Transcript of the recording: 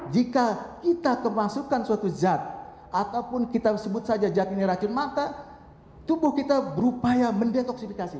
jika kita kemasukkan suatu zat ataupun kita sebut saja zat ini racun mata tubuh kita berupaya mendetoksifikasi